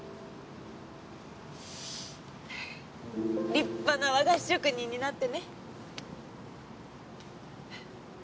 立派な和菓子職人になってね！